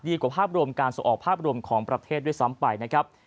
กว่าภาพรวมการส่งออกภาพรวมของประเทศด้วยซ้ำไปนะครับ